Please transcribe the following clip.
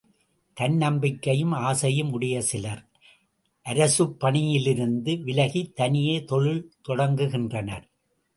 தன்னம்பிக்கையும் ஆசையும் உடைய சிலர், அரசுப் பணிகளிலிருந்து விலகித் தனியே தொழில் தொடங்குகின்றனர்.